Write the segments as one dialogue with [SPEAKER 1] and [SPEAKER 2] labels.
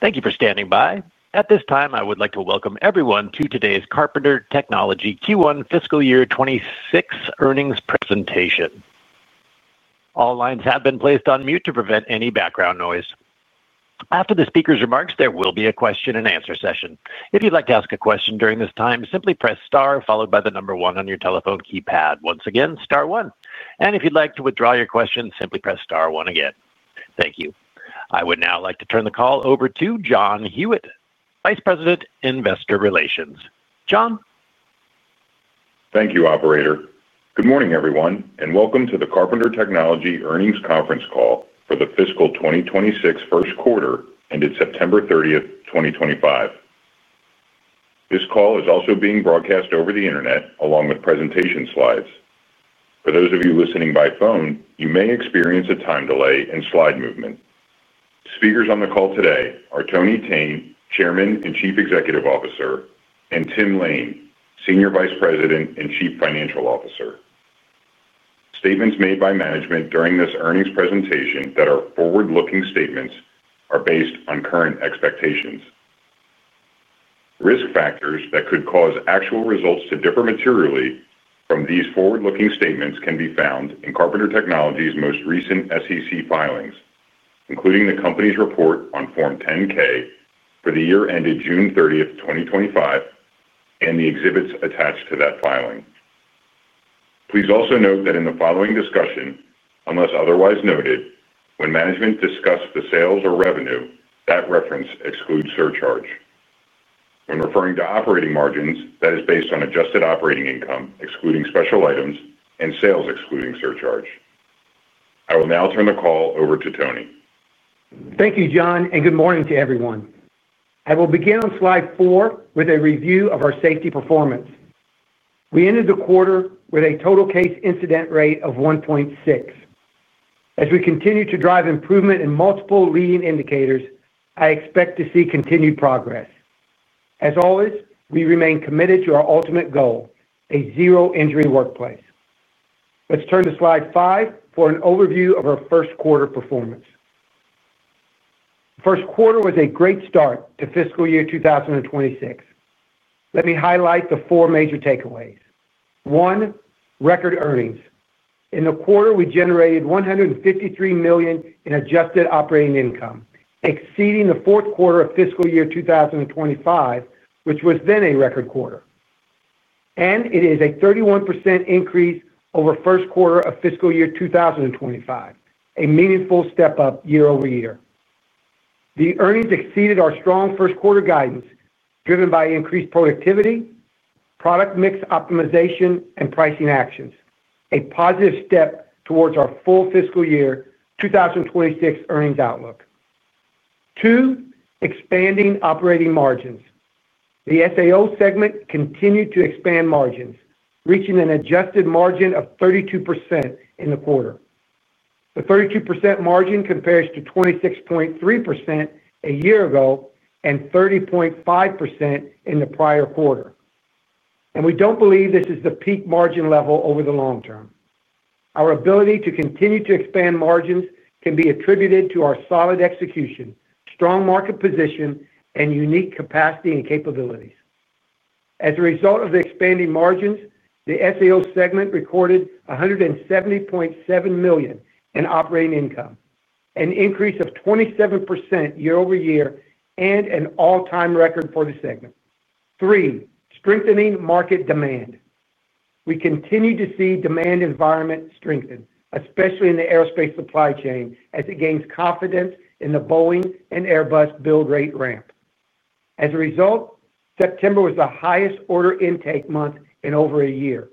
[SPEAKER 1] Thank you for standing by. At this time, I would like to welcome everyone to today's Carpenter Technology Q1 Fiscal Year 2026 earnings presentation. All lines have been placed on mute to prevent any background noise. After the speaker's remarks, there will be a question-and-answer session. If you'd like to ask a question during this time, simply press star followed by the number one on your telephone keypad. Once again, star one. If you'd like to withdraw your question, simply press star one again. Thank you. I would now like to turn the call over to John Huyette, Vice President, Investor Relations. John.
[SPEAKER 2] Thank you, Operator. Good morning everyone, and welcome to the Carpenter Technology earnings conference call for the fiscal 2026 first quarter ended September 30, 2025. This call is also being broadcast over the internet, along with presentation slides. For those of you listening by phone, you may experience a time delay in slide movement. Speakers on the call today are Tony Thene, Chairman and Chief Executive Officer, and Tim Lain, Senior Vice President and Chief Financial Officer. Statements made by management during this earnings presentation that are forward-looking statements are based on current expectations. Risk factors that could cause actual results to differ materially from these forward-looking statements can be found in Carpenter Technology's most recent SEC filings, including the company's report on Form 10-K for the year ended June 30, 2025, and the exhibits attached to that filing. Please also note that in the following discussion, unless otherwise noted, when management discussed the sales or revenue, that reference excludes surcharge. When referring to operating margins, that is based on adjusted operating income, excluding special items, and sales excluding surcharge. I will now turn the call over to Tony.
[SPEAKER 3] Thank you, John, and good morning to everyone. I will begin on slide four with a review of our safety performance. We ended the quarter with a total case incident rate of 1.6. As we continue to drive improvement in multiple leading indicators, I expect to see continued progress. As always, we remain committed to our ultimate goal: a zero-injury workplace. Let's turn to slide five for an overview of our first quarter performance. The first quarter was a great start to fiscal year 2026. Let me highlight the four major takeaways. One, record earnings. In the quarter, we generated $153 million in adjusted operating income, exceeding the fourth quarter of fiscal year 2025, which was then a record quarter. It is a 31% increase over the first quarter of fiscal year 2025, a meaningful step up year-over-year. The earnings exceeded our strong first quarter guidance, driven by increased productivity, product mix optimization, and pricing actions, a positive step towards our full fiscal year 2026 earnings outlook. Two, expanding operating margins. The SAO segment continued to expand margins, reaching an adjusted margin of 32% in the quarter. The 32% margin compares to 26.3% a year ago and 30.5% in the prior quarter. We do not believe this is the peak margin level over the long term. Our ability to continue to expand margins can be attributed to our solid execution, strong market position, and unique capacity and capabilities. As a result of the expanding margins, the SAO segment recorded $170.7 million in operating income, an increase of 27% year-over-year, and an all-time record for the segment. Three, strengthening market demand. We continue to see the demand environment strengthen, especially in the aerospace supply chain as it gains confidence in the Boeing and Airbus build rate ramp. As a result, September was the highest order intake month in over a year.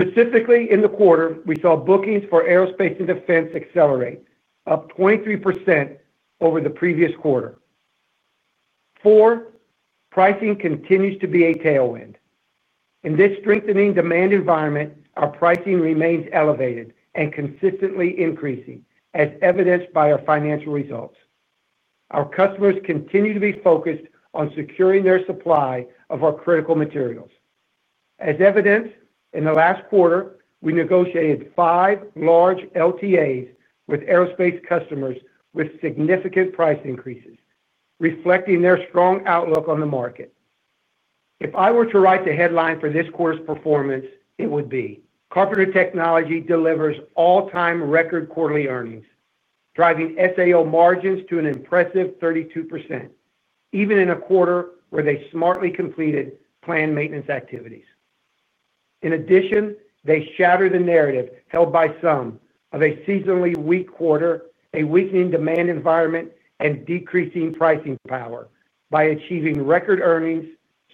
[SPEAKER 3] Specifically, in the quarter, we saw bookings for aerospace and defense accelerate, up 23% over the previous quarter. Four, pricing continues to be a tailwind. In this strengthening demand environment, our pricing remains elevated and consistently increasing, as evidenced by our financial results. Our customers continue to be focused on securing their supply of our critical materials. As evidenced in the last quarter, we negotiated five large LTAs with aerospace customers with significant price increases, reflecting their strong outlook on the market. If I were to write the headline for this quarter's performance, it would be: Carpenter Technology delivers all-time record quarterly earnings, driving SAO margins to an impressive 32%, even in a quarter where they smartly completed planned maintenance activities. In addition, they shatter the narrative held by some of a seasonally weak quarter, a weakening demand environment, and decreasing pricing power by achieving record earnings,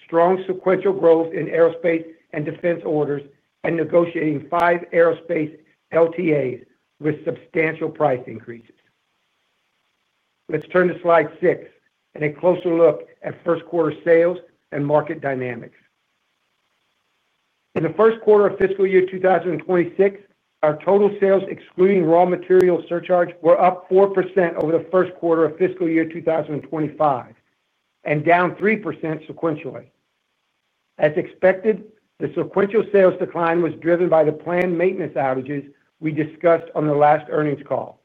[SPEAKER 3] strong sequential growth in aerospace and defense orders, and negotiating five aerospace LTAs with substantial price increases. Let's turn to slide six and a closer look at first quarter sales and market dynamics. In the first quarter of fiscal year 2026, our total sales excluding raw material surcharge were up 4% over the first quarter of fiscal year 2025 and down 3% sequentially. As expected, the sequential sales decline was driven by the planned maintenance outages we discussed on the last earnings call,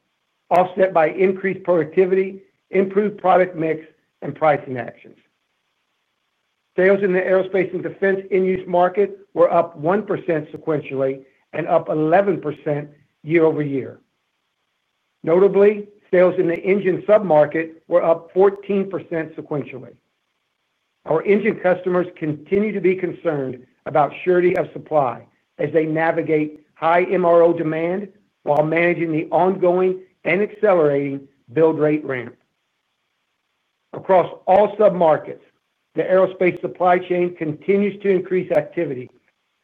[SPEAKER 3] offset by increased productivity, improved product mix, and pricing actions. Sales in the aerospace and defense in-use market were up 1% sequentially and up 11% year-over-year. Notably, sales in the engine submarket were up 14% sequentially. Our engine customers continue to be concerned about surety of supply as they navigate high MRO demand while managing the ongoing and accelerating build rate ramp. Across all submarkets, the aerospace supply chain continues to increase activity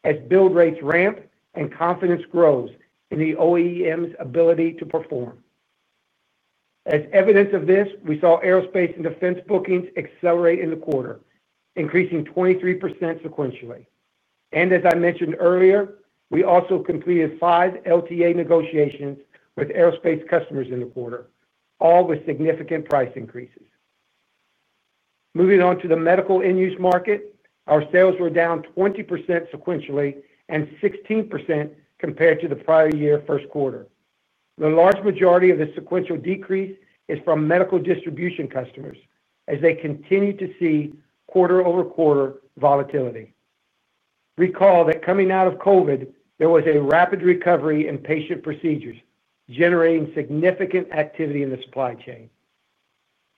[SPEAKER 3] as build rates ramp and confidence grows in the OEM's ability to perform. As evidence of this, we saw aerospace and defense bookings accelerate in the quarter, increasing 23% sequentially. As I mentioned earlier, we also completed five LTA negotiations with aerospace customers in the quarter, all with significant price increases. Moving on to the medical in-use market, our sales were down 20% sequentially and 16% compared to the prior year first quarter. The large majority of the sequential decrease is from medical distribution customers as they continue to see quarter-over-quarter volatility. Recall that coming out of COVID, there was a rapid recovery in patient procedures, generating significant activity in the supply chain.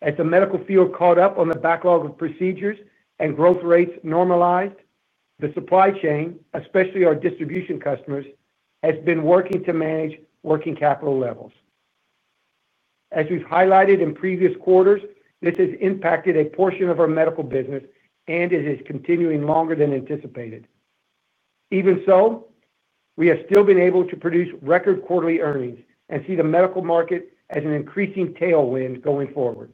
[SPEAKER 3] As the medical field caught up on the backlog of procedures and growth rates normalized, the supply chain, especially our distribution customers, has been working to manage working capital levels. As we've highlighted in previous quarters, this has impacted a portion of our medical business, and it is continuing longer than anticipated. Even so, we have still been able to produce record quarterly earnings and see the medical market as an increasing tailwind going forward.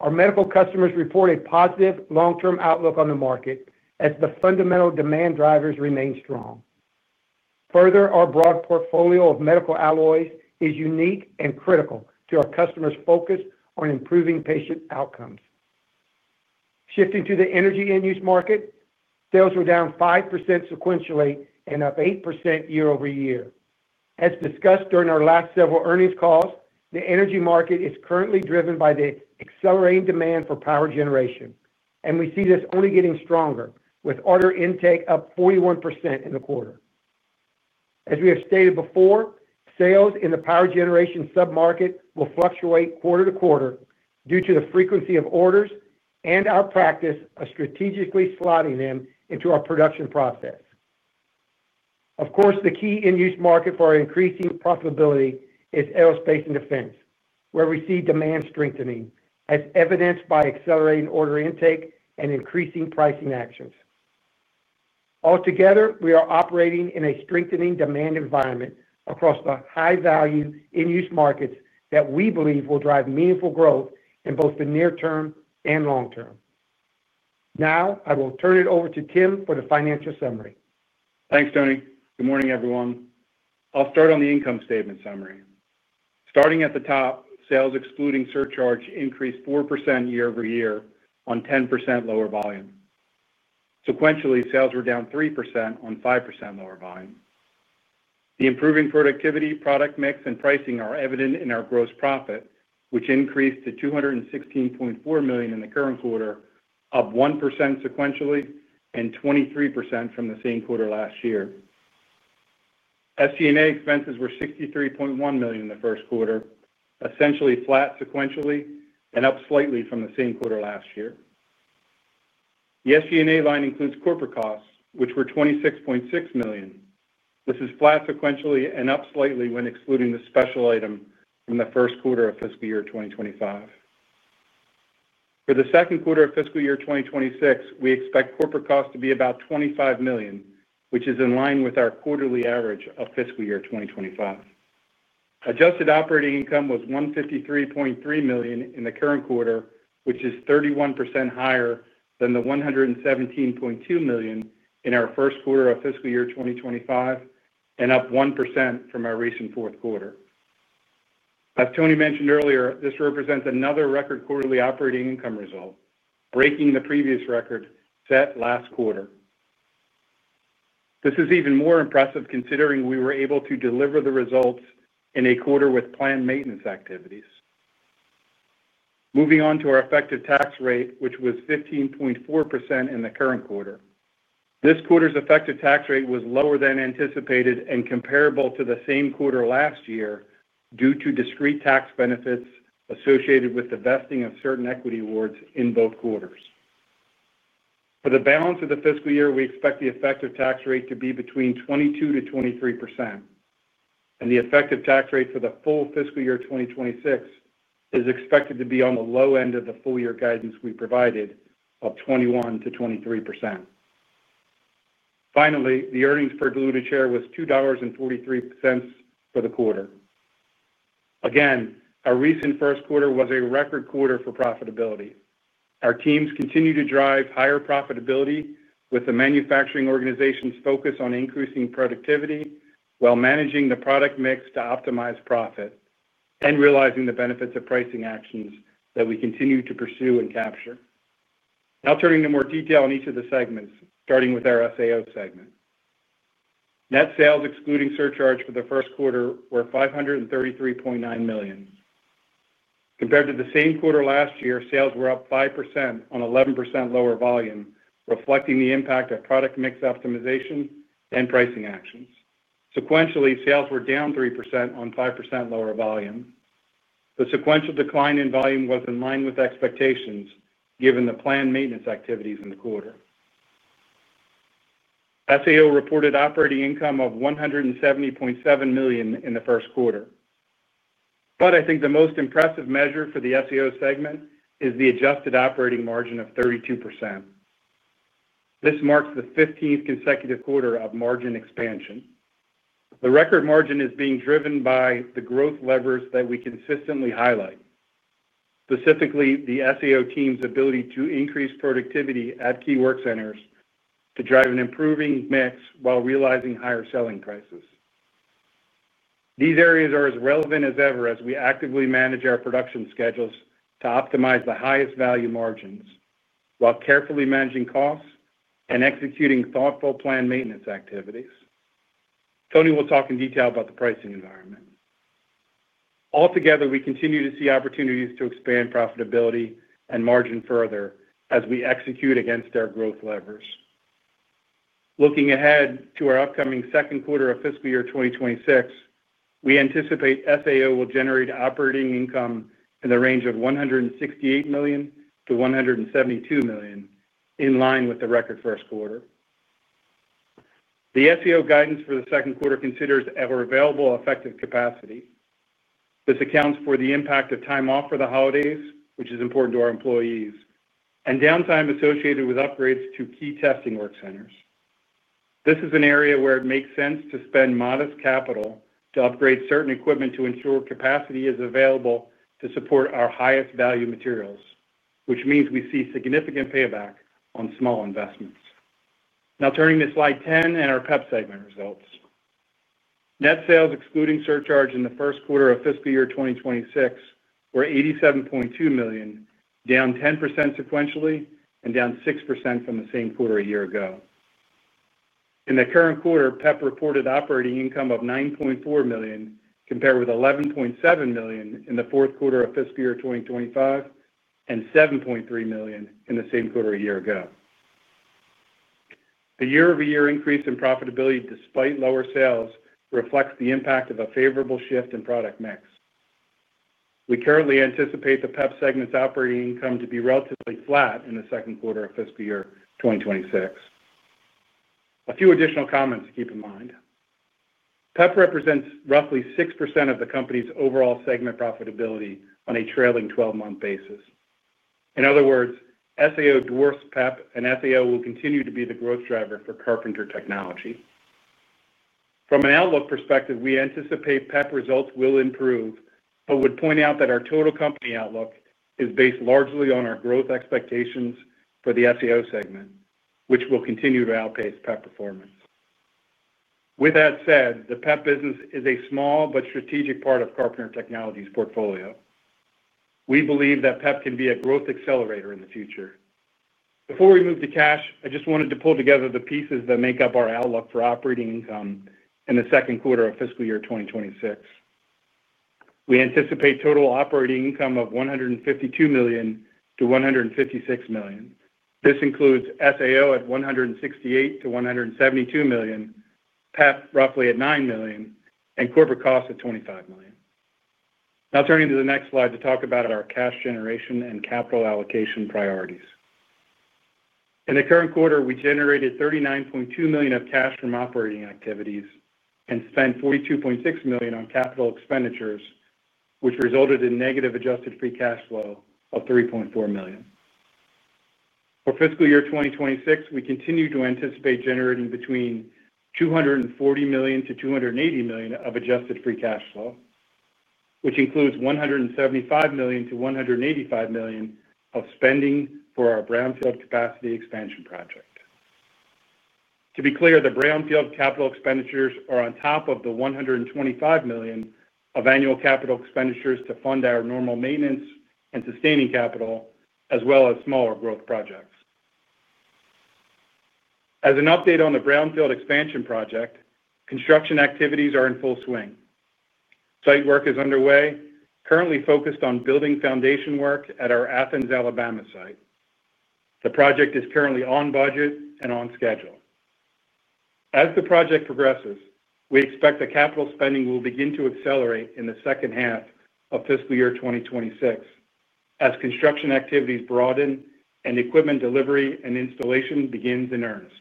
[SPEAKER 3] Our medical customers report a positive long-term outlook on the market as the fundamental demand drivers remain strong. Further, our broad portfolio of medical alloys is unique and critical to our customers' focus on improving patient outcomes. Shifting to the energy in-use market, sales were down 5% sequentially and up 8% year-over-year. As discussed during our last several earnings calls, the energy market is currently driven by the accelerating demand for power generation, and we see this only getting stronger with order intake up 41% in the quarter. As we have stated before, sales in the power generation submarket will fluctuate quarter to quarter due to the frequency of orders and our practice of strategically slotting them into our production process. Of course, the key in-use market for our increasing profitability is aerospace and defense, where we see demand strengthening, as evidenced by accelerating order intake and increasing pricing actions. Altogether, we are operating in a strengthening demand environment across the high-value in-use markets that we believe will drive meaningful growth in both the near term and long term. Now, I will turn it over to Tim for the financial summary.
[SPEAKER 4] Thanks, Tony. Good morning, everyone. I'll start on the income statement summary. Starting at the top, sales excluding surcharge increased 4% year-over-year on 10% lower volume. Sequentially, sales were down 3% on 5% lower volume. The improving productivity, product mix, and pricing are evident in our gross profit, which increased to $216.4 million in the current quarter, up 1% sequentially and 23% from the same quarter last year. SG&A expenses were $63.1 million in the first quarter, essentially flat sequentially and up slightly from the same quarter last year. The SG&A line includes corporate costs, which were $26.6 million. This is flat sequentially and up slightly when excluding the special item from the first quarter of fiscal year 2025. For the second quarter of fiscal year 2026, we expect corporate costs to be about $25 million, which is in line with our quarterly average of fiscal year 2025. Adjusted operating income was $153.3 million in the current quarter, which is 31% higher than the $117.2 million in our first quarter of fiscal year 2025 and up 1% from our recent fourth quarter. As Tony mentioned earlier, this represents another record quarterly operating income result, breaking the previous record set last quarter. This is even more impressive considering we were able to deliver the results in a quarter with planned maintenance activities. Moving on to our effective tax rate, which was 15.4% in the current quarter. This quarter's effective tax rate was lower than anticipated and comparable to the same quarter last year due to discrete tax benefits associated with the vesting of certain equity awards in both quarters. For the balance of the fiscal year, we expect the effective tax rate to be between 22%-23%, and the effective tax rate for the full fiscal year 2026 is expected to be on the low end of the full-year guidance we provided of 21%-23%. Finally, the earnings per diluted share was $2.43 for the quarter. Again, our recent first quarter was a record quarter for profitability. Our teams continue to drive higher profitability with the manufacturing organization's focus on increasing productivity while managing the product mix to optimize profit and realizing the benefits of pricing actions that we continue to pursue and capture. Now turning to more detail on each of the segments, starting with our SAO segment. Net sales excluding surcharge for the first quarter were $533.9 million. Compared to the same quarter last year, sales were up 5% on 11% lower volume, reflecting the impact of product mix optimization and pricing actions. Sequentially, sales were down 3% on 5% lower volume. The sequential decline in volume was in line with expectations given the planned maintenance activities in the quarter. SAO reported operating income of $170.7 million in the first quarter. I think the most impressive measure for the SAO segment is the adjusted operating margin of 32%. This marks the 15th consecutive quarter of margin expansion. The record margin is being driven by the growth levers that we consistently highlight, specifically the SAO team's ability to increase productivity at key work centers to drive an improving mix while realizing higher selling prices. These areas are as relevant as ever as we actively manage our production schedules to optimize the highest value margins while carefully managing costs and executing thoughtful planned maintenance activities. Tony will talk in detail about the pricing environment. Altogether, we continue to see opportunities to expand profitability and margin further as we execute against our growth levers. Looking ahead to our upcoming second quarter of fiscal year 2026, we anticipate SAO will generate operating income in the range of $168 million-$172 million, in line with the record first quarter. The SAO guidance for the second quarter considers our available effective capacity. This accounts for the impact of time off for the holidays, which is important to our employees, and downtime associated with upgrades to key testing work centers. This is an area where it makes sense to spend modest capital to upgrade certain equipment to ensure capacity is available to support our highest value materials, which means we see significant payback on small investments. Now turning to slide 10 and our PEP segment results. Net sales excluding surcharge in the first quarter of fiscal year 2026 were $87.2 million, down 10% sequentially, and down 6% from the same quarter a year ago. In the current quarter, PEP reported operating income of $9.4 million, compared with $11.7 million in the fourth quarter of fiscal year 2025 and $7.3 million in the same quarter a year ago. The year-over-year increase in profitability despite lower sales reflects the impact of a favorable shift in product mix. We currently anticipate the PEP segment's operating income to be relatively flat in the second quarter of fiscal year 2026. A few additional comments to keep in mind. PEP represents roughly 6% of the company's overall segment profitability on a trailing 12-month basis. In other words, SAO dwarfs PEP, and SAO will continue to be the growth driver for Carpenter Technology. From an outlook perspective, we anticipate PEP results will improve, but would point out that our total company outlook is based largely on our growth expectations for the SAO segment, which will continue to outpace PEP performance. With that said, the PEP business is a small but strategic part of Carpenter Technology's portfolio. We believe that PEP can be a growth accelerator in the future. Before we move to cash, I just wanted to pull together the pieces that make up our outlook for operating income in the second quarter of fiscal year 2026. We anticipate total operating income of $152 million-$156 million. This includes SAO at $168 million- $172 million, PEP roughly at $9 million, and corporate costs at $25 million. Now turning to the next slide to talk about our cash generation and capital allocation priorities. In the current quarter, we generated $39.2 million of cash from operating activities and spent $42.6 million on capital expenditures, which resulted in negative adjusted free cash flow of $3.4 million. For fiscal year 2026, we continue to anticipate generating between $240 million-$280 million of adjusted free cash flow, which includes $175 million-$185 million of spending for our Brownfield capacity expansion project. To be clear, the Brownfield capital expenditures are on top of the $125 million of annual capital expenditures to fund our normal maintenance and sustaining capital, as well as smaller growth projects. As an update on the Brownfield expansion project, construction activities are in full swing. Site work is underway, currently focused on building foundation work at our Athens, Alabama site. The project is currently on budget and on schedule. As the project progresses, we expect the capital spending will begin to accelerate in the second half of fiscal year 2026 as construction activities broaden and equipment delivery and installation begins in earnest.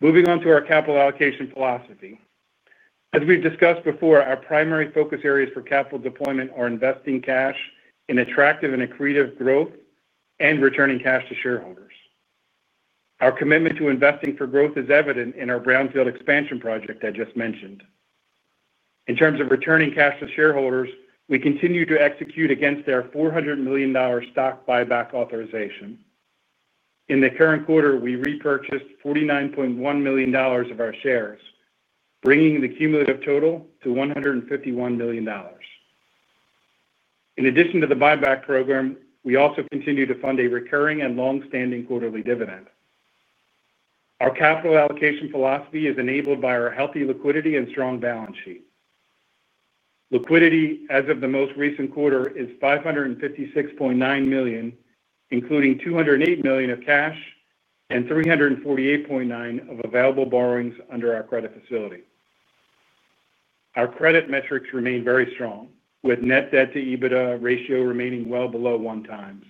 [SPEAKER 4] Moving on to our capital allocation philosophy. As we've discussed before, our primary focus areas for capital deployment are investing cash in attractive and accretive growth and returning cash to shareholders. Our commitment to investing for growth is evident in our Brownfield expansion project I just mentioned. In terms of returning cash to shareholders, we continue to execute against our $400 million stock buyback authorization. In the current quarter, we repurchased $49.1 million of our shares, bringing the cumulative total to $151 million. In addition to the buyback program, we also continue to fund a recurring and long-standing quarterly dividend. Our capital allocation philosophy is enabled by our healthy liquidity and strong balance sheet. Liquidity as of the most recent quarter is $556.9 million, including $208 million of cash and $348.9 million of available borrowings under our credit facility. Our credit metrics remain very strong, with net debt to EBITDA ratio remaining well below one times.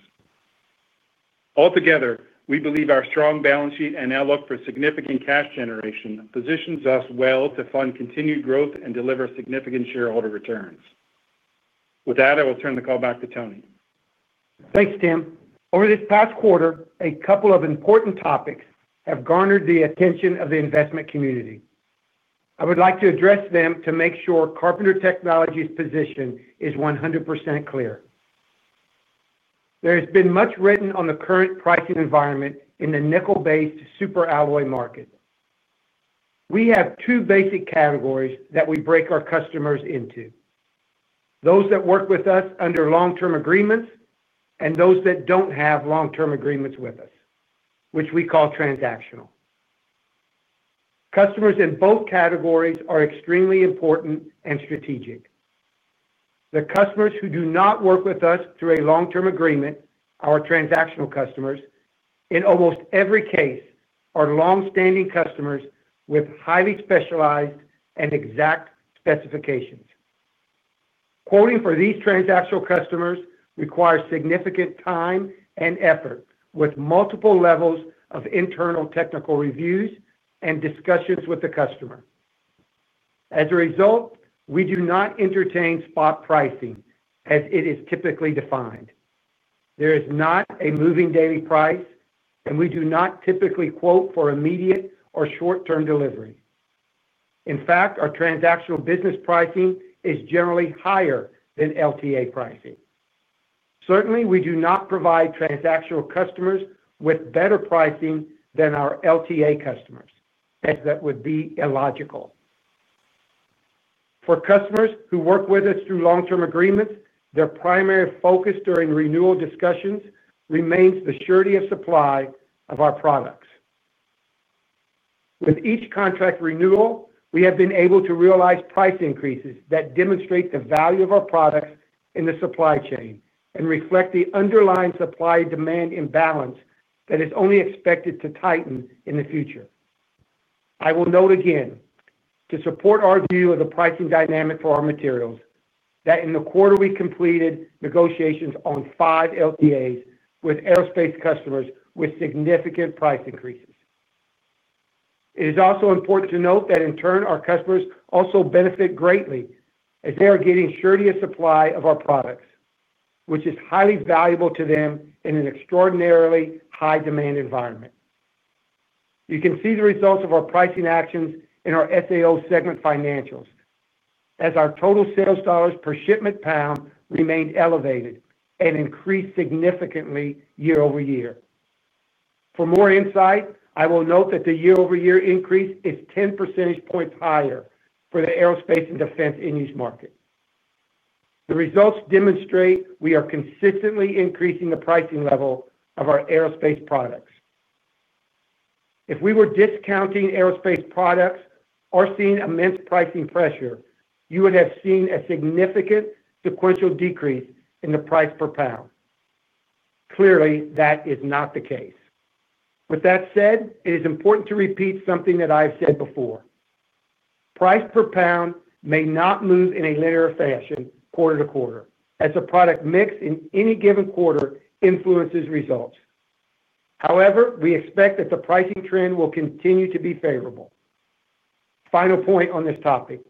[SPEAKER 4] Altogether, we believe our strong balance sheet and outlook for significant cash generation positions us well to fund continued growth and deliver significant shareholder returns. With that, I will turn the call back to Tony.
[SPEAKER 3] Thanks, Tim. Over this past quarter, a couple of important topics have garnered the attention of the investment community. I would like to address them to make sure Carpenter Technology's position is 100% clear. There has been much written on the current pricing environment in the nickel-based super alloy market. We have two basic categories that we break our customers into: those that work with us under long-term agreements and those that don't have long-term agreements with us, which we call transactional. Customers in both categories are extremely important and strategic. The customers who do not work with us through a long-term agreement, our transactional customers, in almost every case, are long-standing customers with highly specialized and exact specifications. Quoting for these transactional customers requires significant time and effort, with multiple levels of internal technical reviews and discussions with the customer. As a result, we do not entertain spot pricing as it is typically defined. There is not a moving daily price, and we do not typically quote for immediate or short-term delivery. In fact, our transactional business pricing is generally higher than LTA pricing. Certainly, we do not provide transactional customers with better pricing than our LTA customers, as that would be illogical. For customers who work with us through long-term agreements, their primary focus during renewal discussions remains the surety of supply of our products. With each contract renewal, we have been able to realize price increases that demonstrate the value of our products in the supply chain and reflect the underlying supply-demand imbalance that is only expected to tighten in the future. I will note again, to support our view of the pricing dynamic for our materials, that in the quarter we completed negotiations on five LTAs with aerospace customers with significant price increases. It is also important to note that in turn, our customers also benefit greatly as they are getting surety of supply of our products, which is highly valuable to them in an extraordinarily high-demand environment. You can see the results of our pricing actions in our SAO segment financials, as our total sales dollars per shipment pound remained elevated and increased significantly year-over-year. For more insight, I will note that the year-over-year increase is 10% higher for the aerospace and defense in-use market. The results demonstrate we are consistently increasing the pricing level of our aerospace products. If we were discounting aerospace products or seeing immense pricing pressure, you would have seen a significant sequential decrease in the price per pound. Clearly, that is not the case. With that said, it is important to repeat something that I've said before. Price per pound may not move in a linear fashion quarter to quarter, as a product mix in any given quarter influences results. However, we expect that the pricing trend will continue to be favorable. Final point on this topic.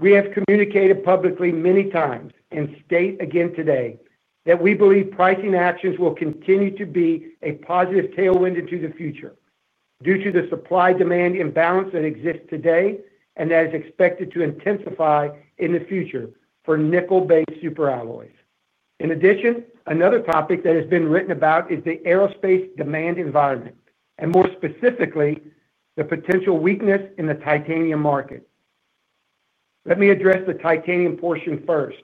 [SPEAKER 3] We have communicated publicly many times and state again today that we believe pricing actions will continue to be a positive tailwind into the future due to the supply-demand imbalance that exists today and that is expected to intensify in the future for nickel-based super alloys. In addition, another topic that has been written about is the aerospace demand environment and more specifically, the potential weakness in the titanium market. Let me address the titanium portion first.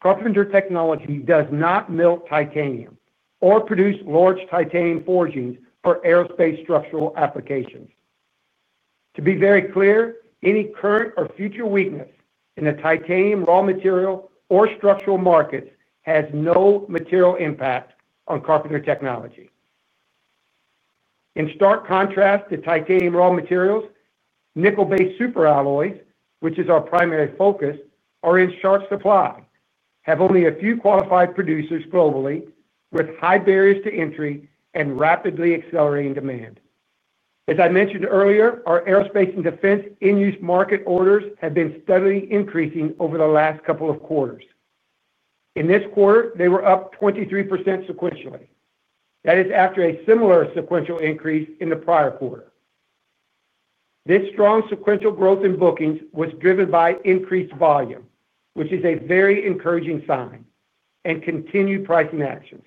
[SPEAKER 3] Carpenter Technology does not mill titanium or produce large titanium forgings for aerospace structural applications. To be very clear, any current or future weakness in the titanium raw material or structural markets has no material impact on Carpenter Technology. In stark contrast to titanium raw materials, nickel-based super alloys, which is our primary focus, are in sharp supply, have only a few qualified producers globally with high barriers to entry and rapidly accelerating demand. As I mentioned earlier, our aerospace and defense in-use market orders have been steadily increasing over the last couple of quarters. In this quarter, they were up 23% sequentially. That is after a similar sequential increase in the prior quarter. This strong sequential growth in bookings was driven by increased volume, which is a very encouraging sign, and continued pricing actions.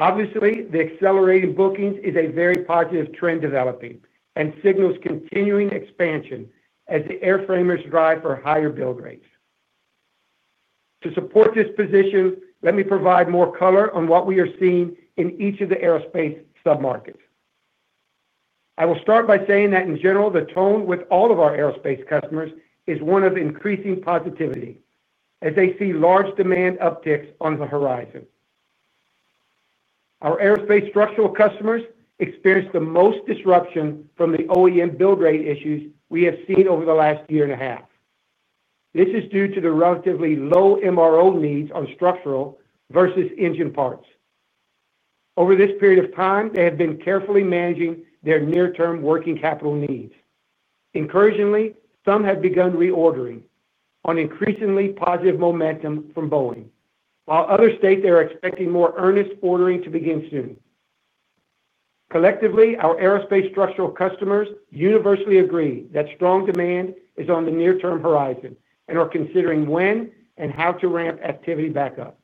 [SPEAKER 3] Obviously, the accelerating bookings is a very positive trend developing and signals continuing expansion as the airframers drive for higher build rates. To support this position, let me provide more color on what we are seeing in each of the aerospace submarkets. I will start by saying that in general, the tone with all of our aerospace customers is one of increasing positivity as they see large demand upticks on the horizon. Our aerospace structural customers experience the most disruption from the OEM build rate issues we have seen over the last year and a half. This is due to the relatively low MRO needs on structural versus engine parts. Over this period of time, they have been carefully managing their near-term working capital needs. Encouragingly, some have begun reordering on increasingly positive momentum from Boeing, while others state they are expecting more earnest ordering to begin soon. Collectively, our aerospace structural customers universally agree that strong demand is on the near-term horizon and are considering when and how to ramp activity back up.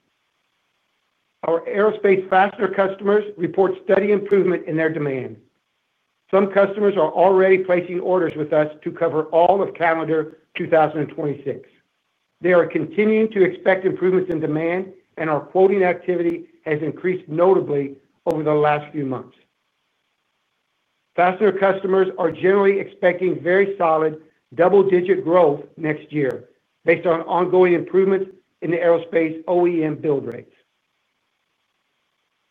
[SPEAKER 3] Our aerospace fastener customers report steady improvement in their demand. Some customers are already placing orders with us to cover all of calendar 2026. They are continuing to expect improvements in demand, and our quoting activity has increased notably over the last few months. Fastener customers are generally expecting very solid double-digit growth next year based on ongoing improvements in the aerospace OEM build rates.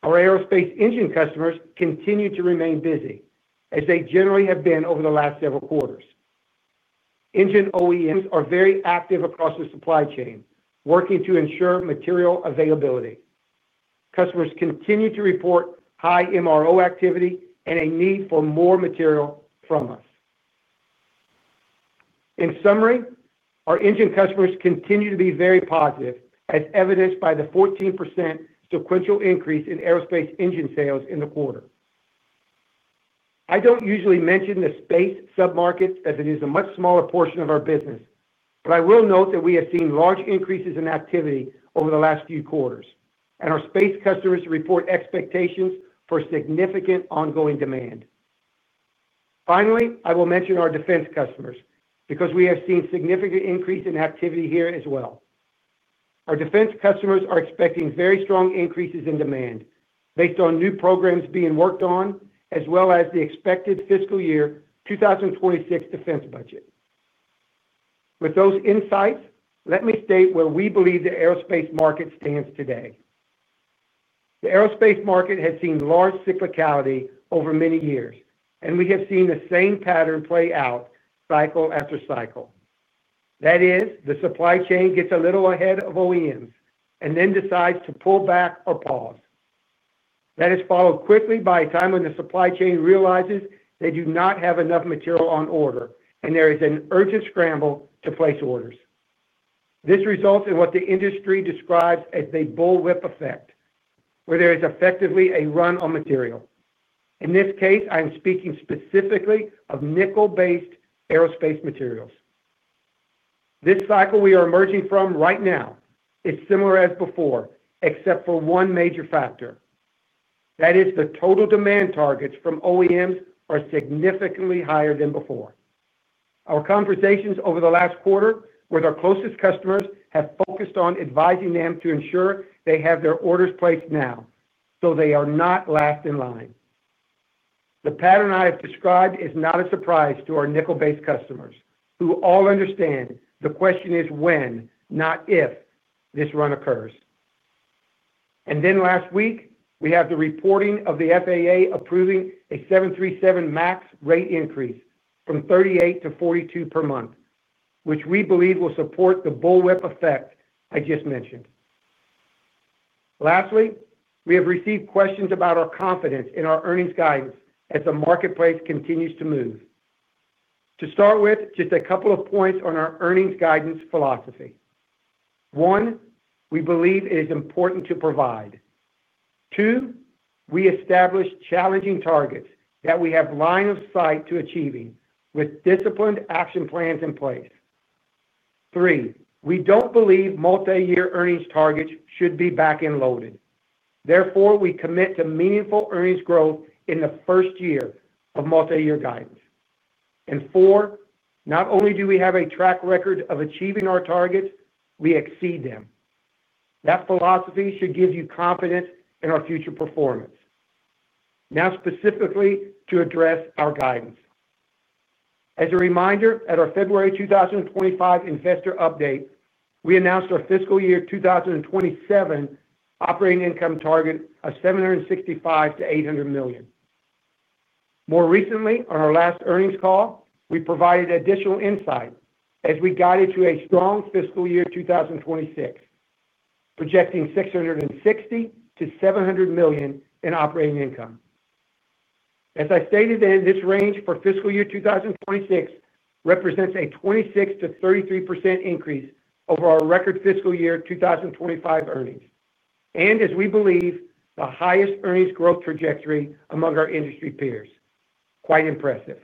[SPEAKER 3] Our aerospace engine customers continue to remain busy as they generally have been over the last several quarters. Engine OEMs are very active across the supply chain, working to ensure material availability. Customers continue to report high MRO activity and a need for more material from us. In summary, our engine customers continue to be very positive, as evidenced by the 14% sequential increase in aerospace engine sales in the quarter. I don't usually mention the space submarkets as it is a much smaller portion of our business, but I will note that we have seen large increases in activity over the last few quarters, and our space customers report expectations for significant ongoing demand. Finally, I will mention our defense customers because we have seen a significant increase in activity here as well. Our defense customers are expecting very strong increases in demand based on new programs being worked on, as well as the expected fiscal year 2026 defense budget. With those insights, let me state where we believe the aerospace market stands today. The aerospace market has seen large cyclicality over many years, and we have seen the same pattern play out cycle after cycle. That is, the supply chain gets a little ahead of OEMs and then decides to pull back or pause. That is followed quickly by a time when the supply chain realizes they do not have enough material on order, and there is an urgent scramble to place orders. This results in what the industry describes as the bullwhip effect, where there is effectively a run on material. In this case, I am speaking specifically of nickel-based aerospace materials. This cycle we are emerging from right now is similar as before, except for one major factor. That is, the total demand targets from OEMs are significantly higher than before. Our conversations over the last quarter with our closest customers have focused on advising them to ensure they have their orders placed now so they are not last in line. The pattern I have described is not a surprise to our nickel-based customers, who all understand the question is when, not if, this run occurs. Last week, we have the reporting of the FAA approving a Boeing 737 MAX rate increase from 38 to 42 per month, which we believe will support the bullwhip effect I just mentioned. Lastly, we have received questions about our confidence in our earnings guidance as the marketplace continues to move. To start with, just a couple of points on our earnings guidance philosophy. One, we believe it is important to provide. Two, we establish challenging targets that we have line of sight to achieving with disciplined action plans in place. Three, we don't believe multi-year earnings targets should be back and loaded. Therefore, we commit to meaningful earnings growth in the first year of multi-year guidance. Four, not only do we have a track record of achieving our targets, we exceed them. That philosophy should give you confidence in our future performance. Now specifically to address our guidance. As a reminder, at our February 2025 investor update, we announced our fiscal year 2027 operating income target of $765 million-$800 million. More recently, on our last earnings call, we provided additional insight as we guided to a strong fiscal year 2026, projecting $660 million-$700 million in operating income. As I stated, this range for fiscal year 2026 represents a 26%-33% increase over our record fiscal year 2025 earnings, and as we believe, the highest earnings growth trajectory among our industry peers. Quite impressive.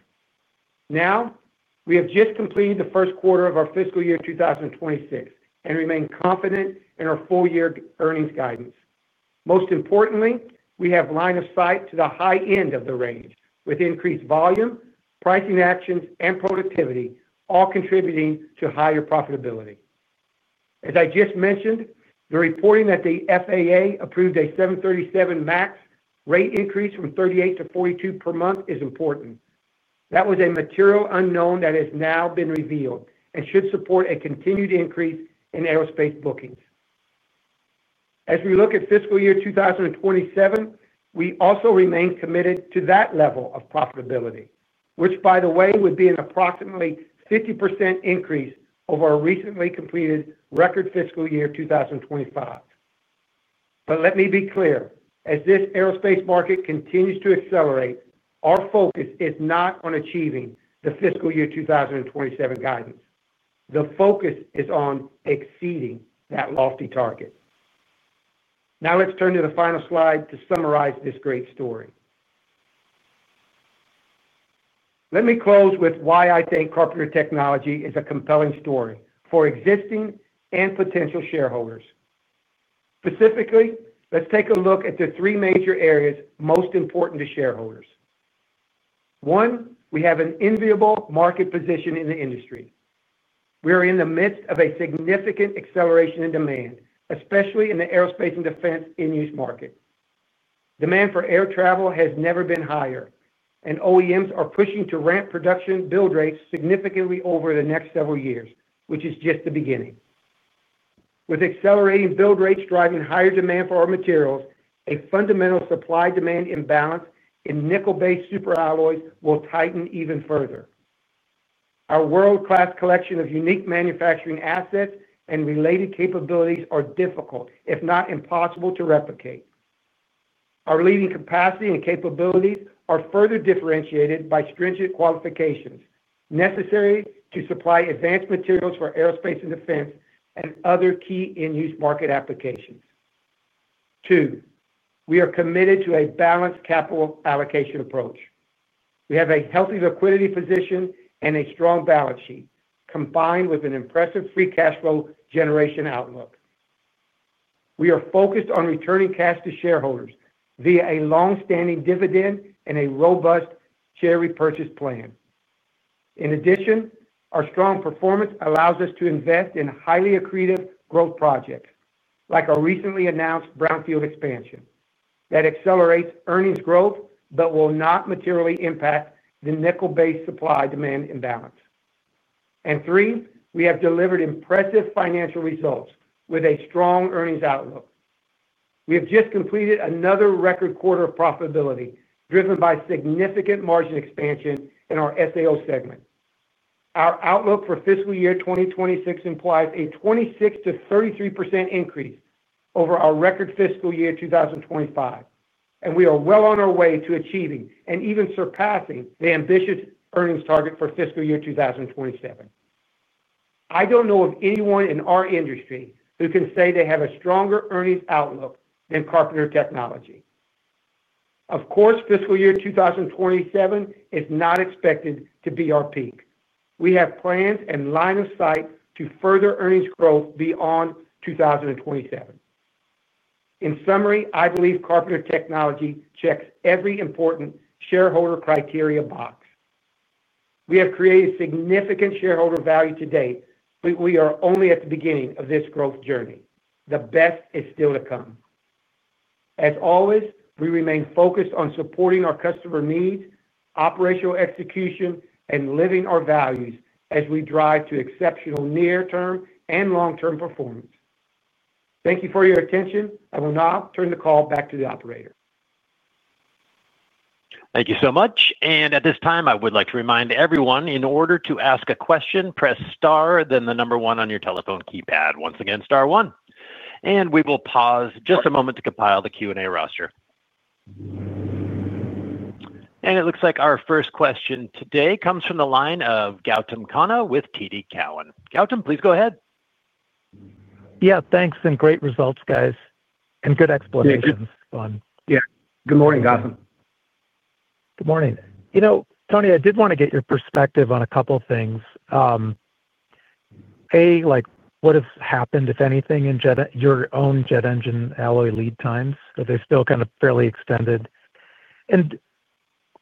[SPEAKER 3] We have just completed the first quarter of our fiscal year 2026 and remain confident in our full-year earnings guidance. Most importantly, we have line of sight to the high end of the range, with increased volume, pricing actions, and productivity all contributing to higher profitability. As I just mentioned, the reporting that the FAA approved a 737 MAX rate increase from 38 to 42 per month is important. That was a material unknown that has now been revealed and should support a continued increase in aerospace bookings. As we look at fiscal year 2027, we also remain committed to that level of profitability, which, by the way, would be an approximately 50% increase over our recently completed record fiscal year 2025. Let me be clear, as this aerospace market continues to accelerate, our focus is not on achieving the fiscal year 2027 guidance. The focus is on exceeding that lofty target. Now let's turn to the final slide to summarize this great story. Let me close with why I think Carpenter Technology is a compelling story for existing and potential shareholders. Specifically, let's take a look at the three major areas most important to shareholders. One, we have an enviable market position in the industry. We are in the midst of a significant acceleration in demand, especially in the aerospace and defense in-use market. Demand for air travel has never been higher, and OEMs are pushing to ramp production build rates significantly over the next several years, which is just the beginning. With accelerating build rates driving higher demand for our materials, a fundamental supply-demand imbalance in nickel-based super alloys will tighten even further. Our world-class collection of unique manufacturing assets and related capabilities are difficult, if not impossible, to replicate. Our leading capacity and capabilities are further differentiated by stringent qualifications necessary to supply advanced materials for aerospace and defense and other key in-use market applications. Two, we are committed to a balanced capital allocation approach. We have a healthy liquidity position and a strong balance sheet, combined with an impressive free cash flow generation outlook. We are focused on returning cash to shareholders via a long-standing dividend and a robust share repurchase plan. In addition, our strong performance allows us to invest in highly accretive growth projects, like our recently announced Brownfield expansion that accelerates earnings growth but will not materially impact the nickel-based supply-demand imbalance. We have delivered impressive financial results with a strong earnings outlook. We have just completed another record quarter of profitability, driven by significant margin expansion in our SAO segment. Our outlook for fiscal year 2026 implies a 26%-33% increase over our record fiscal year 2025, and we are well on our way to achieving and even surpassing the ambitious earnings target for fiscal year 2027. I don't know of anyone in our industry who can say they have a stronger earnings outlook than Carpenter Technology. Of course, fiscal year 2027 is not expected to be our peak. We have plans and line of sight to further earnings growth beyond 2027. In summary, I believe Carpenter Technology checks every important shareholder criteria box. We have created significant shareholder value today, but we are only at the beginning of this growth journey. The best is still to come. As always, we remain focused on supporting our customer needs, operational execution, and living our values as we drive to exceptional near-term and long-term performance. Thank you for your attention. I will now turn the call back to the operator.
[SPEAKER 1] Thank you so much. At this time, I would like to remind everyone, in order to ask a question, press star then the number one on your telephone keypad. Once again, star one. We will pause just a moment to compile the Q&A roster. It looks like our first question today comes from the line of Gautam Khanna with TD Cowen. Gautam, please go ahead.
[SPEAKER 5] Yeah, thanks and great results, guys, and good explanations.
[SPEAKER 3] Thank you.
[SPEAKER 5] Fun.
[SPEAKER 3] Yeah, good morning, Gautam.
[SPEAKER 5] Good morning. Tony, I did want to get your perspective on a couple of things. A, like what has happened, if anything, in your own jet engine alloy lead times? Are they still kind of fairly extended?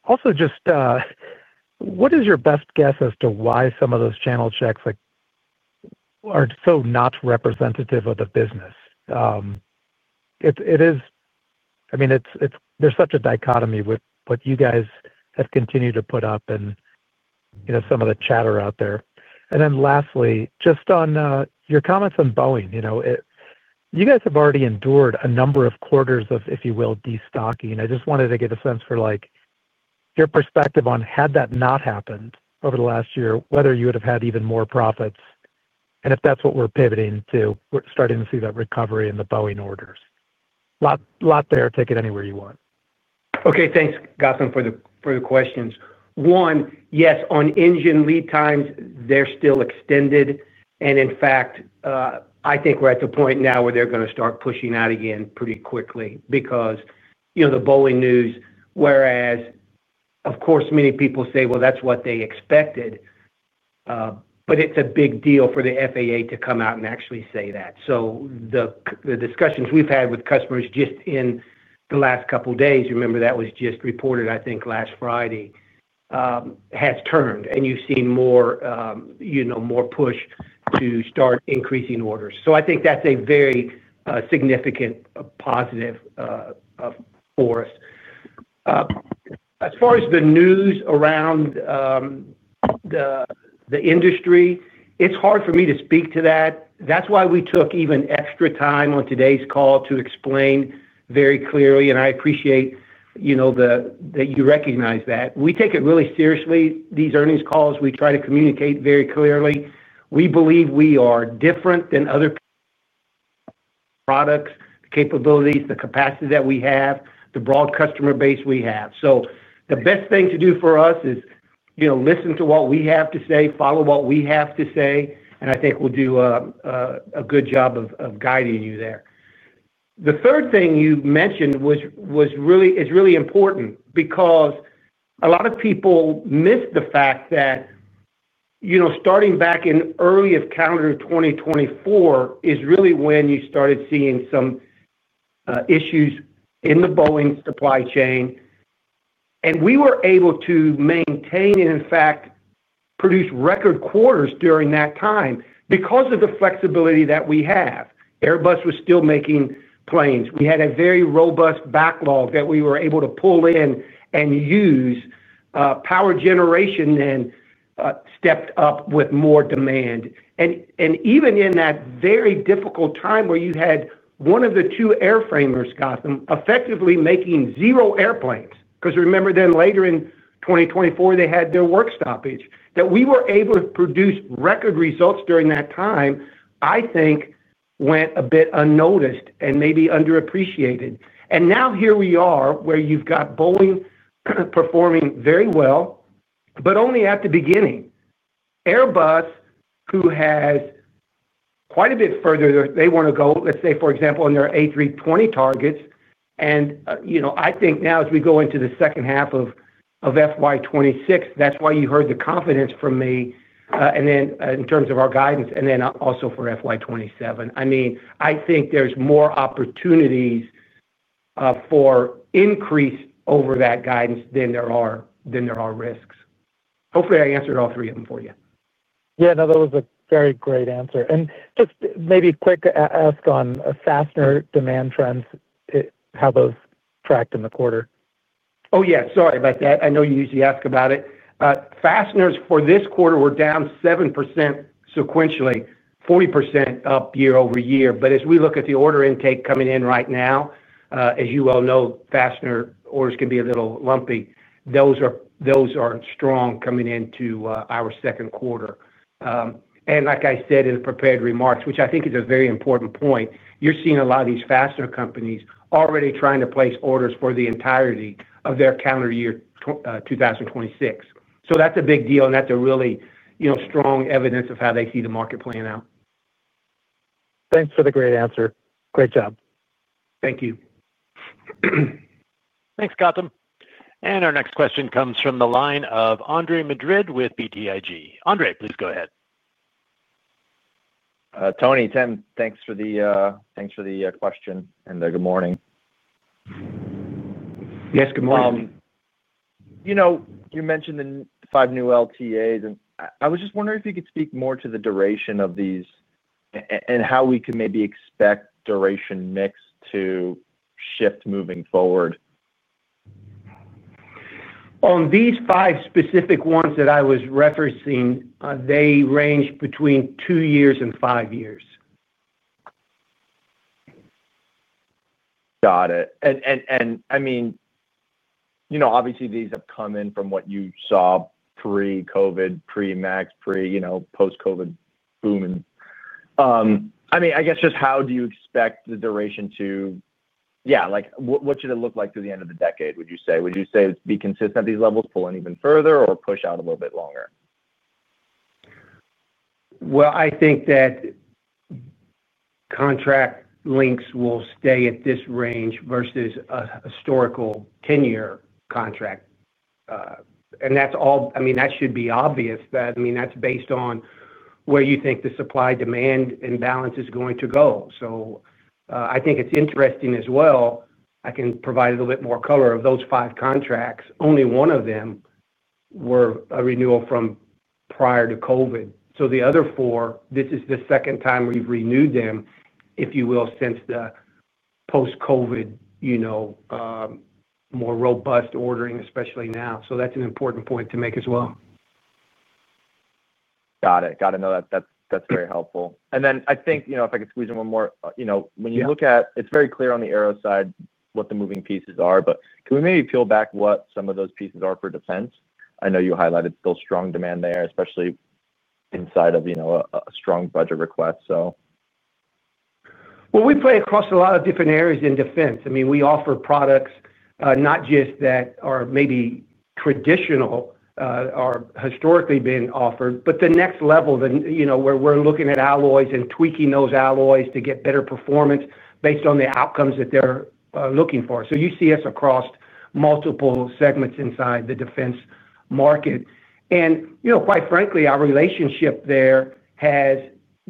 [SPEAKER 5] Also, just what is your best guess as to why some of those channel checks are so not representative of the business? It is, I mean, there's such a dichotomy with what you guys have continued to put up and, you know, some of the chatter out there. Lastly, just on your comments on Boeing, you guys have already endured a number of quarters of, if you will, destocking. I just wanted to get a sense for your perspective on had that not happened over the last year, whether you would have had even more profits, and if that's what we're pivoting to, we're starting to see that recovery in the Boeing orders. A lot there, take it anywhere you want.
[SPEAKER 3] Okay, thanks, Gautam, for the questions. One, yes, on engine lead times, they're still extended. In fact, I think we're at the point now where they're going to start pushing out again pretty quickly because, you know, the Boeing news, whereas, of course, many people say that's what they expected, but it's a big deal for the FAA to come out and actually say that. The discussions we've had with customers just in the last couple of days, remember that was just reported, I think, last Friday, has turned. You've seen more, you know, more push to start increasing orders. I think that's a very significant positive for us. As far as the news around the industry, it's hard for me to speak to that. That's why we took even extra time on today's call to explain very clearly. I appreciate, you know, that you recognize that. We take it really seriously. These earnings calls, we try to communicate very clearly. We believe we are different than other products, the capabilities, the capacity that we have, the broad customer base we have. The best thing to do for us is, you know, listen to what we have to say, follow what we have to say, and I think we'll do a good job of guiding you there. The third thing you mentioned was really, is really important because a lot of people miss the fact that, you know, starting back in early calendar 2024 is really when you started seeing some issues in the Boeing supply chain. We were able to maintain and, in fact, produce record quarters during that time because of the flexibility that we have. Airbus was still making planes. We had a very robust backlog that we were able to pull in and use. Power generation then stepped up with more demand. Even in that very difficult time where you had one of the two airframers, Gautam, effectively making zero airplanes, because remember then later in 2024 they had their work stoppage, we were able to produce record results during that time, I think, went a bit unnoticed and maybe underappreciated. Now here we are where you've got Boeing performing very well, but only at the beginning. Airbus, who has quite a bit further they want to go, let's say, for example, on their A320 targets. I think now as we go into the second half of FY 2026, that's why you heard the confidence from me, and then in terms of our guidance, and then also for FY 2027. I think there's more opportunities for increase over that guidance than there are risks. Hopefully, I answered all three of them for you.
[SPEAKER 5] Yeah, no, that was a very great answer. Just maybe quick ask on fastener demand trends, how those tracked in the quarter.
[SPEAKER 3] Oh, sorry about that. I know you usually ask about it. Fasteners for this quarter were down 7% sequentially, 40% up year-over-year. As we look at the order intake coming in right now, as you all know, fastener orders can be a little lumpy. Those are strong coming into our second quarter. Like I said in the prepared remarks, which I think is a very important point, you're seeing a lot of these fastener companies already trying to place orders for the entirety of their calendar year 2026. That's a big deal, and that's really strong evidence of how they see the market playing out.
[SPEAKER 5] Thanks for the great answer. Great job.
[SPEAKER 3] Thank you.
[SPEAKER 1] Thanks, Gautam. Our next question comes from the line of Andre Madrid with BTIG. Andre, please go ahead.
[SPEAKER 6] Tony, Tim, thanks for the question and the good morning.
[SPEAKER 3] Yes, good morning.
[SPEAKER 6] You mentioned the five new LTAs, and I was just wondering if you could speak more to the duration of these and how we could maybe expect duration mix to shift moving forward.
[SPEAKER 3] On these five specific ones that I was referencing, they range between two years and five years.
[SPEAKER 6] Got it. Obviously, these have come in from what you saw pre-COVID, pre-MAX, pre-post-COVID boom. I guess just how do you expect the duration to, yeah, like what should it look like through the end of the decade, would you say? Would you say it's be consistent at these levels, pull in even further, or push out a little bit longer?
[SPEAKER 3] I think that contract lengths will stay at this range versus a historical 10-year contract. That should be obvious. That's based on where you think the supply-demand imbalance is going to go. I think it's interesting as well. I can provide a little bit more color. Of those five contracts, only one of them was a renewal from prior to COVID. The other four, this is the second time we've renewed them, if you will, since the post-COVID, more robust ordering, especially now. That's an important point to make as well.
[SPEAKER 6] Got it. That's very helpful. I think, if I could squeeze in one more, when you look at, it's very clear on the aero side what the moving pieces are. Can we maybe peel back what some of those pieces are for defense? I know you highlighted still strong demand there, especially inside of a strong budget request.
[SPEAKER 3] We play across a lot of different areas in defense. I mean, we offer products not just that are maybe traditional or historically been offered, but the next level, you know, where we're looking at alloys and tweaking those alloys to get better performance based on the outcomes that they're looking for. You see us across multiple segments inside the defense market. Quite frankly, our relationship there has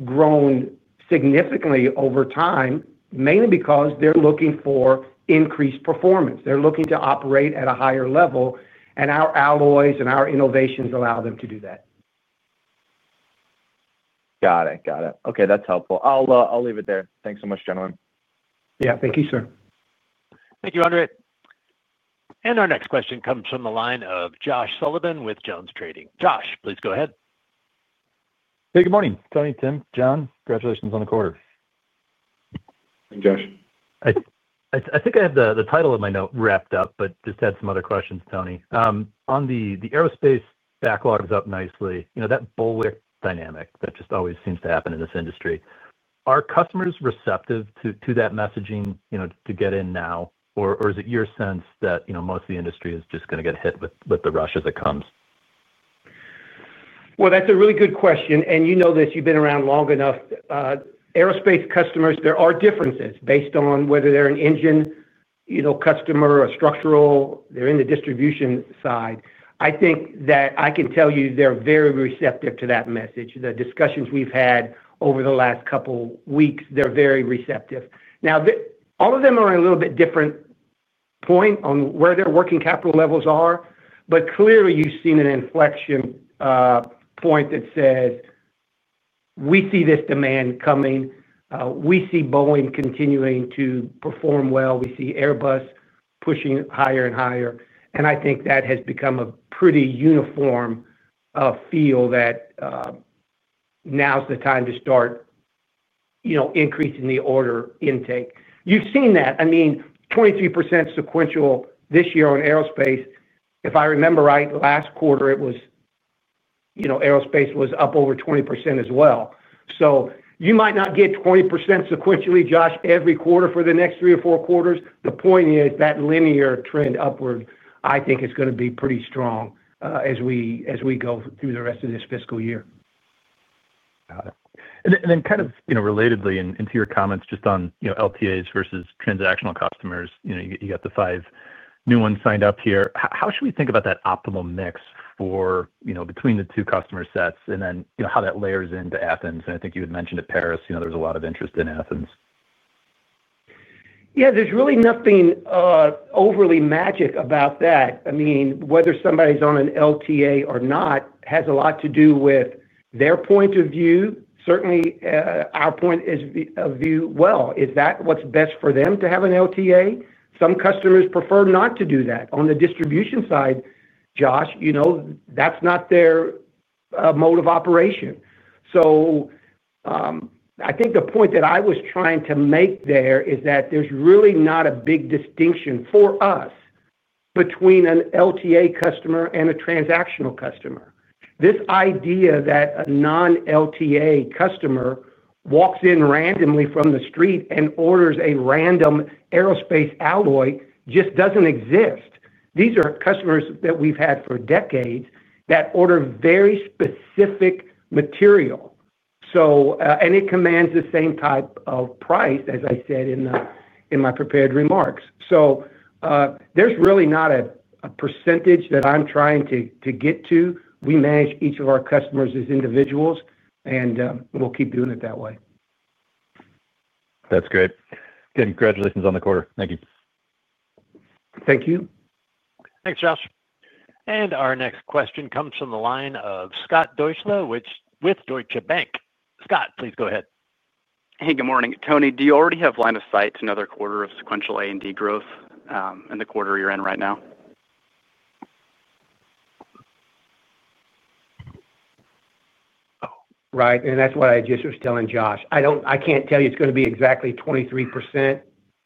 [SPEAKER 3] grown significantly over time, mainly because they're looking for increased performance. They're looking to operate at a higher level, and our alloys and our innovations allow them to do that.
[SPEAKER 6] Got it. Got it. Okay, that's helpful. I'll leave it there. Thanks so much, gentlemen.
[SPEAKER 3] Yeah, thank you, sir.
[SPEAKER 1] Thank you, Andre. Our next question comes from the line of Josh Sullivan with JonesTrading. Josh, please go ahead.
[SPEAKER 7] Hey, good morning. Tony, Tim, John, congratulations on the quarter.
[SPEAKER 3] Thanks, Josh.
[SPEAKER 7] I think I have the title of my note wrapped up, but just had some other questions, Tony. On the aerospace backlogs up nicely, you know, that bullwhip dynamic that just always seems to happen in this industry. Are customers receptive to that messaging, you know, to get in now, or is it your sense that most of the industry is just going to get hit with the rush as it comes?
[SPEAKER 3] That's a really good question. You know this, you've been around long enough. Aerospace customers, there are differences based on whether they're an engine customer or structural, they're in the distribution side. I think that I can tell you they're very receptive to that message. The discussions we've had over the last couple of weeks, they're very receptive. Now, all of them are in a little bit different points on where their working capital levels are, but clearly, you've seen an inflection point that says we see this demand coming. We see Boeing continuing to perform well. We see Airbus pushing higher and higher. I think that has become a pretty uniform feel that now's the time to start increasing the order intake. You've seen that. I mean, 23% sequential this year on aerospace. If I remember right, last quarter it was aerospace was up over 20% as well. You might not get 20% sequentially, Josh, every quarter for the next three or four quarters. The point is that linear trend upward, I think, is going to be pretty strong as we go through the rest of this fiscal year.
[SPEAKER 7] Got it. Kind of relatedly, in your comments just on LTAs versus transactional customers, you got the five new ones signed up here. How should we think about that optimal mix between the two customer sets and how that layers into Athens? I think you had mentioned at Paris there was a lot of interest in Athens.
[SPEAKER 3] Yeah, there's really nothing overly magic about that. I mean, whether somebody's on an LTA or not has a lot to do with their point of view. Certainly, our point of view is that what's best for them is to have an LTA. Some customers prefer not to do that. On the distribution side, Josh, you know, that's not their mode of operation. I think the point that I was trying to make there is that there's really not a big distinction for us between an LTA customer and a transactional customer. This idea that a non-LTA customer walks in randomly from the street and orders a random aerospace alloy just doesn't exist. These are customers that we've had for decades that order very specific material, and it commands the same type of price, as I said in my prepared remarks. There's really not a percentage that I'm trying to get to. We manage each of our customers as individuals, and we'll keep doing it that way.
[SPEAKER 7] That's great. Again, congratulations on the quarter. Thank you.
[SPEAKER 3] Thank you.
[SPEAKER 1] Thanks, Josh. Our next question comes from the line of Scott Deuschle with Deutsche Bank. Scott, please go ahead.
[SPEAKER 8] Hey, good morning. Tony, do you already have line of sight to another quarter of sequential A&D growth in the quarter you're in right now?
[SPEAKER 3] Right. That's what I just was telling Josh. I can't tell you it's going to be exactly 23%,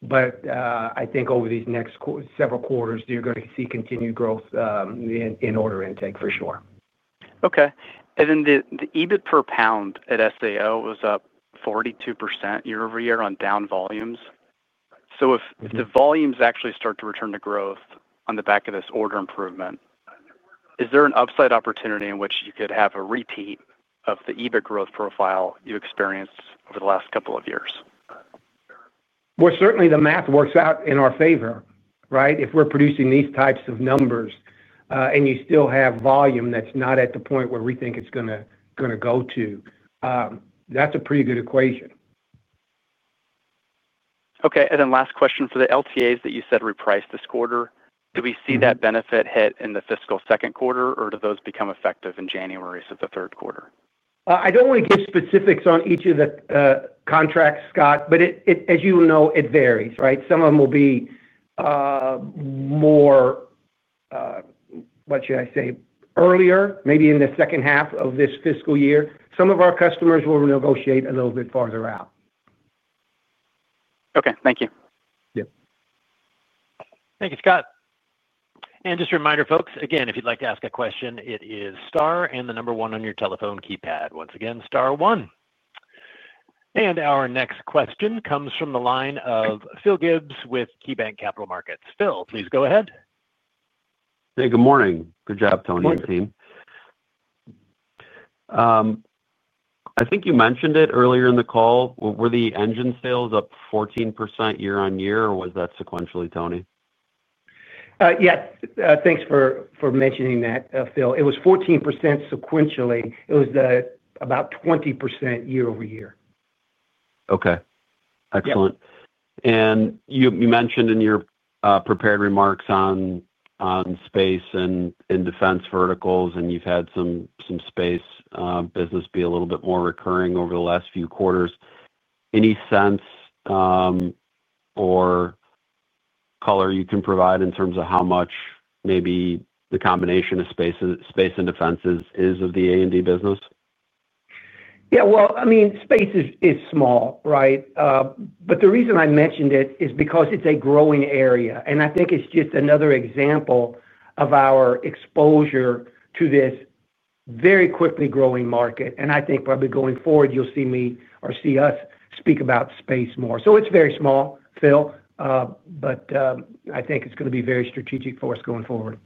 [SPEAKER 3] but I think over these next several quarters, you're going to see continued growth in order intake, for sure.
[SPEAKER 8] Okay. The EBIT per pound at SAO was up 42% year-over-year on down volumes. If the volumes actually start to return to growth on the back of this order improvement, is there an upside opportunity in which you could have a repeat of the EBIT growth profile you experienced over the last couple of years?
[SPEAKER 3] Certainly, the math works out in our favor, right? If we're producing these types of numbers and you still have volume that's not at the point where we think it's going to go to, that's a pretty good equation.
[SPEAKER 8] Okay. For the long-term agreements that you said reprice this quarter, do we see that benefit hit in the fiscal second quarter, or do those become effective in January of the third quarter?
[SPEAKER 3] I don't want to give specifics on each of the contracts, Scott, but as you know, it varies, right? Some of them will be more, what should I say, earlier, maybe in the second half of this fiscal year. Some of our customers will negotiate a little bit farther out.
[SPEAKER 8] Okay. Thank you.
[SPEAKER 3] Yep.
[SPEAKER 1] Thank you, Scott. Just a reminder, folks, if you'd like to ask a question, it is star and the number one on your telephone keypad. Once again, star one. Our next question comes from the line of Philip Gibbs with KeyBanc Capital Markets. Philip, please go ahead.
[SPEAKER 9] Hey, good morning. Good job, Tony. Team, I think you mentioned it earlier in the call. Were the engine sales up 14% year on year, or was that sequentially, Tony?
[SPEAKER 3] Yes, thanks for mentioning that, Phil. It was 14% sequentially. It was about 20% year-over-year.
[SPEAKER 9] Okay. Excellent. You mentioned in your prepared remarks on space and in defense verticals, and you've had some space business be a little bit more recurring over the last few quarters. Any sense or color you can provide in terms of how much maybe the combination of space and defense is of the A&D business?
[SPEAKER 3] Space is small, right? The reason I mentioned it is because it's a growing area. I think it's just another example of our exposure to this very quickly growing market. I think probably going forward, you'll see me or see us speak about space more. It's very small, Phil, but I think it's going to be very strategic for us going forward.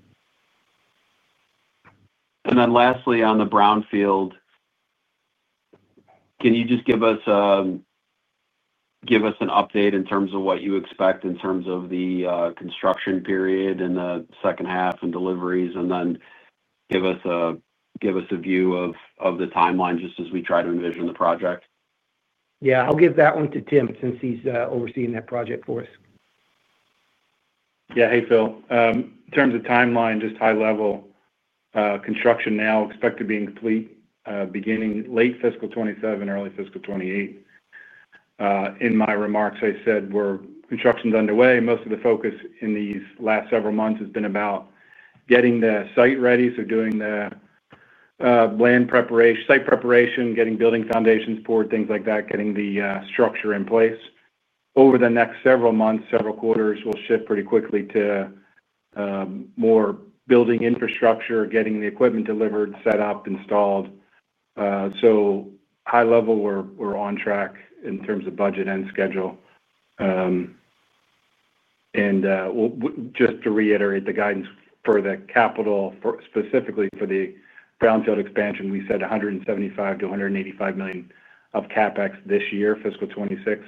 [SPEAKER 9] Lastly, on the Brownfield, can you just give us an update in terms of what you expect in terms of the construction period and the second half and deliveries? Can you give us a view of the timeline just as we try to envision the project?
[SPEAKER 3] Yeah, I'll give that one to Tim since he's overseeing that project for us.
[SPEAKER 4] Yeah. Hey, Phil. In terms of timeline, just high-level, construction now expected to be complete beginning late fiscal 2027, early fiscal 2028. In my remarks, I said construction is underway. Most of the focus in these last several months has been about getting the site ready, doing the land preparation, site preparation, getting building foundations poured, things like that, getting the structure in place. Over the next several months, several quarters will shift pretty quickly to more building infrastructure, getting the equipment delivered, set up, installed. High level, we're on track in terms of budget and schedule. Just to reiterate the guidance for the capital, specifically for the Brownfield capacity expansion, we said $175 million-$185 million of CapEx this year, fiscal 2026,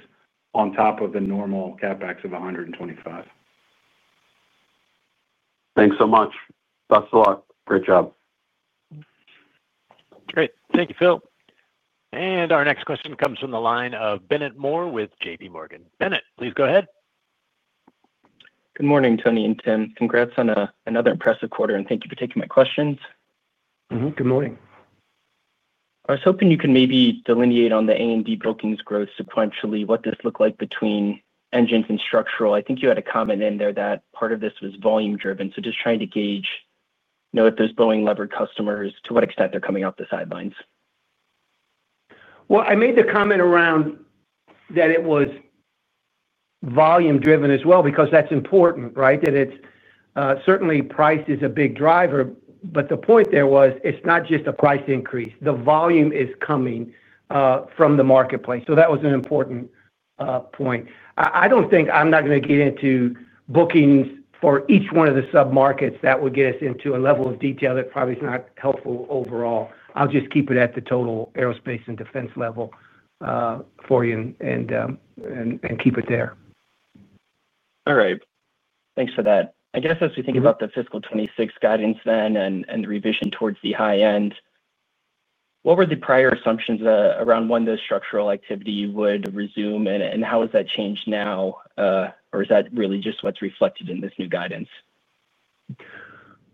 [SPEAKER 4] on top of the normal CapEx of $125 million.
[SPEAKER 9] Thanks so much. Thanks a lot. Great job.
[SPEAKER 3] Great. Thank you, Phil.
[SPEAKER 1] Our next question comes from the line of Bennett Moore with JPMorgan. Bennett, please go ahead.
[SPEAKER 10] Good morning, Tony and Tim. Congrats on another impressive quarter, and thank you for taking my questions.
[SPEAKER 4] Good morning.
[SPEAKER 10] I was hoping you can maybe delineate on the A&D bookings growth sequentially, what this looked like between engines and structural. I think you had a comment in there that part of this was volume-driven. Just trying to gauge, you know, if those Boeing levered customers, to what extent they're coming off the sidelines.
[SPEAKER 3] I made the comment around that it was volume-driven as well because that's important, right? It's certainly price is a big driver, but the point there was it's not just a price increase. The volume is coming from the marketplace, so that was an important point. I don't think I'm going to get into bookings for each one of the submarkets. That would get us into a level of detail that probably is not helpful overall. I'll just keep it at the total aerospace and defense level for you and keep it there.
[SPEAKER 10] All right. Thanks for that. I guess as we think about the fiscal 2026 guidance then and the revision towards the high end, what were the prior assumptions around when the structural activity would resume and how has that changed now? Or is that really just what's reflected in this new guidance?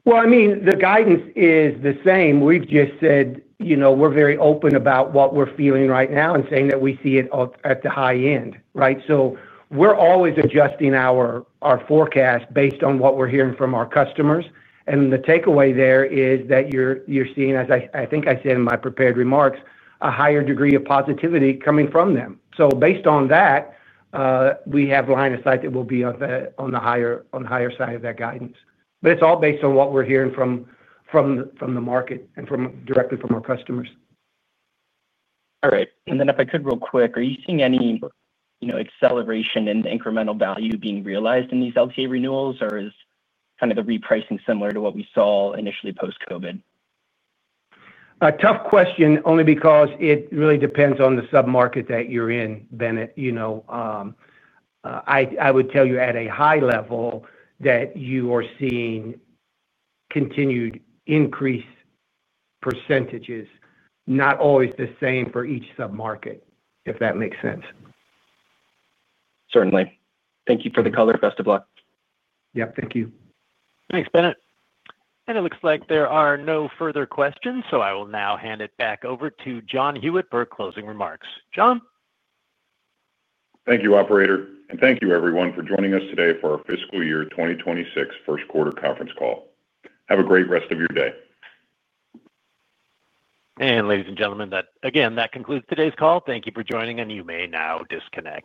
[SPEAKER 3] The guidance is the same. We've just said, you know, we're very open about what we're feeling right now and saying that we see it at the high end, right? We're always adjusting our forecast based on what we're hearing from our customers. The takeaway there is that you're seeing, as I think I said in my prepared remarks, a higher degree of positivity coming from them. Based on that, we have line of sight that will be on the higher side of that guidance. It's all based on what we're hearing from the market and directly from our customers.
[SPEAKER 10] All right. If I could real quick, are you seeing any acceleration in incremental value being realized in these LTA renewals, or is kind of the repricing similar to what we saw initially post-COVID?
[SPEAKER 3] Tough question, only because it really depends on the submarket that you're in, Bennett. I would tell you at a high level that you are seeing continued increase percentages, not always the same for each submarket, if that makes sense.
[SPEAKER 10] Certainly. Thank you for the color. Best of luck.
[SPEAKER 3] Thank you.
[SPEAKER 1] Thanks, Bennett. It looks like there are no further questions. I will now hand it back over to John Huyette for closing remarks. John?
[SPEAKER 2] Thank you, Operator, and thank you, everyone, for joining us today for our fiscal year 2026 first quarter conference call. Have a great rest of your day.
[SPEAKER 1] Ladies and gentlemen, that concludes today's call. Thank you for joining, and you may now disconnect.